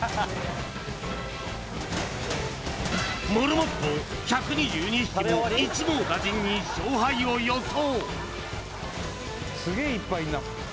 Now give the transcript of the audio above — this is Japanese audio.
モルモット１２２匹も一網打尽に勝敗を予想